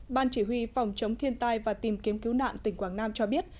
ban chỉ huy phòng chống thiên tai và tìm kiếm cứu nạn tỉnh quảng nam cho biết